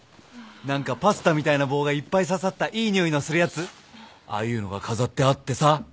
何かパスタみたいな棒がいっぱいささったいい匂いのするやつああいうのが飾ってあってさ